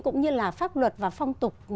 cũng như là pháp luật và phong tục